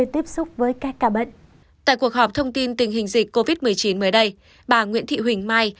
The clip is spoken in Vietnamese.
tại cuộc họp thông tin tình hình dịch covid một mươi chín mới đây bà nguyễn thị huỳnh mai